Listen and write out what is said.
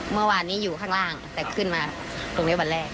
เมื่อวานนี้อยู่ข้างล่างแต่ขึ้นมาตรงนี้วันแรก